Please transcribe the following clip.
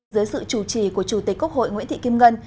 dưới sự chủ trì của chủ tịch quốc hội nguyễn thị kim ngân